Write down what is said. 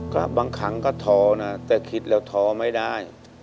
ก็บางครั้งก็ท้อนะแต่คิดแล้วท้อไม่ได้